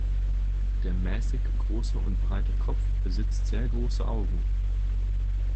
Der mäßig große und breite Kopf besitzt sehr große Augen.